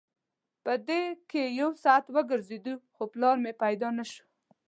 په دې کې یو ساعت وګرځېدو خو پلار مې پیدا نه شو.